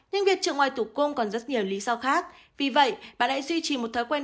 nhưng việc trồng ngoài tủ cung còn rất nhiều lý do khác vì vậy bạn lại duy trì một thói quen